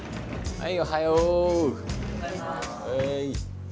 はい。